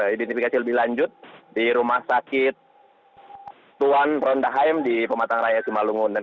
identifikasi lebih lanjut di rumah sakit tuan rondahaim di pematang raya simalungun